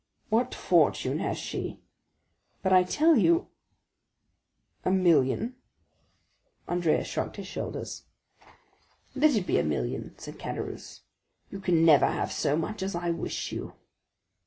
"What fortune has she?" "But I tell you——" "A million?" Andrea shrugged his shoulders. "Let it be a million," said Caderousse; "you can never have so much as I wish you."